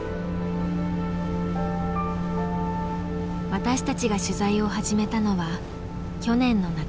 私たちが取材を始めたのは去年の夏。